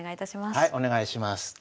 はいお願いします。